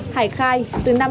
tại cơ quan công an